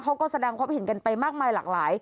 เขาก็แสดงความเห็นกันไปมากมายหลากหลาย